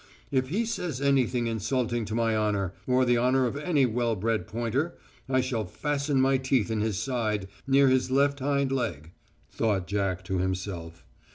"If he says anything insulting to my honour, or the honour of any well bred pointer, I shall fasten my teeth in his side, near his left hind leg," thought Jack to himself.